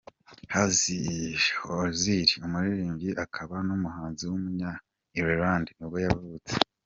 Hozier, umuririmbyi akaba n’umuhanzi w’umunya-Ireland nibwo yavutse.